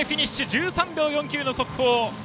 １３秒４９の速報。